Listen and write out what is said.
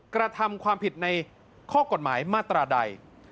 กระทำความผิดในข้อกฎหมายมาตราใด